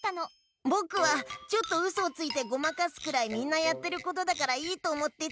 ぼくはちょっとウソをついてごまかすくらいみんなやってることだからいいと思ってつい。